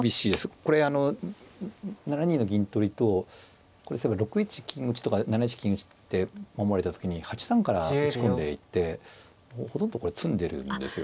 これあの７二の銀取りと６一金打とか７一金打って守られた時に８三から打ち込んでいってもうほとんどこれ詰んでるんですよ。